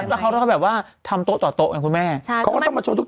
แล้วเขาก็แบบว่าทำโต๊ะต่อโต๊ะไงคุณแม่ใช่เขาก็ต้องมาชนทุก